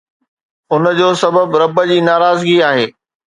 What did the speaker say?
ان جو سبب رب جي ناراضگي آهي